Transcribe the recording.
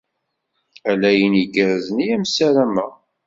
Ala ayen igerrzen i am-ssarameɣ.